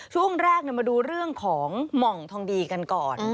ช่วงแรกมาดูเรื่องของหม่องทองดีกันก่อน